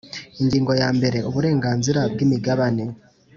Ingingo ya mbere Uburenganzira bwi imigabane